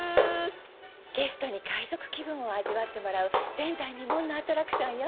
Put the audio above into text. ゲストに海賊気分を味わってもらう前代未聞のアトラクションよ。